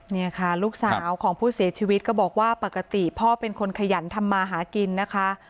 นี่ค่ะลูกสาวของผู้เสียชีวิตก็บอกว่าปกติพ่อเป็นคนขยันทำมาหากินนะคะ